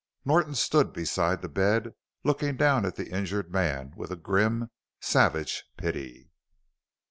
Norton stood beside the bed, looking down at the injured man with a grim, savage pity.